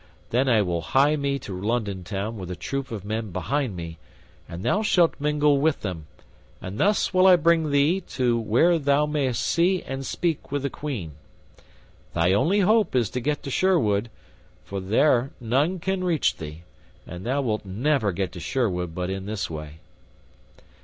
Then I will hie me to London Town with a troop of men behind me, and thou shalt mingle with them, and thus will I bring thee to where thou mayst see and speak with the Queen. Thy only hope is to get to Sherwood, for there none can reach thee, and thou wilt never get to Sherwood but in this way."